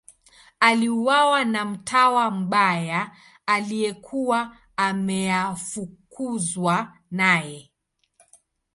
Aliuawa na mtawa mbaya aliyekuwa ameafukuzwa naye.